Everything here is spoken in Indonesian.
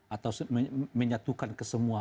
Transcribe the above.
atau menyatukan ke semua